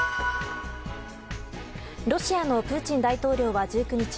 ロシアのプーチン大統領は１９日